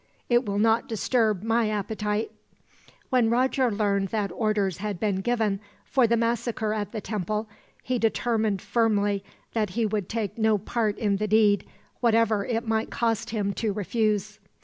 It will not disturb my appetite." When Roger learned that orders had been given for the massacre at the temple, he determined firmly that he would take no part in the deed, whatever it might cost him to refuse.